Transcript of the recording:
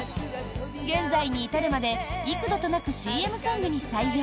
現在に至るまで幾度となくＣＭソングに採用。